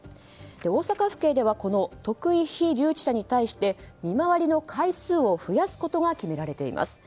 大阪府警ではこの特異被留置者に対して見回りの回数を増やすことが決められています。